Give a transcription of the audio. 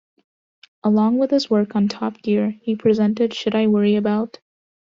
Along with his work on "Top Gear", he presented "Should I Worry About...?